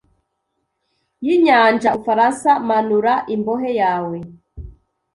yinyanja Ubufaransa manura imbohe yawe